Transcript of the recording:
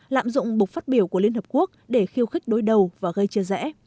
lạm dụng buộc phát biểu của liên hợp quốc để khiêu khích đối đầu và gây chia rẽ